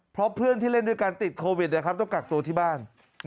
เพราะเพื่อนที่เล่นด้วยการติดโควิดนะครับต้องกักตัวที่บ้าน